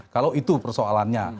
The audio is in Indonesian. kalau itu persoalannya